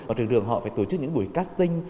ở trường đường họ phải tổ chức những buổi casting